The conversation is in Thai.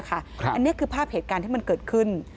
อันนี้คือภาพเหตุการณ์ที่มันเกิดขึ้น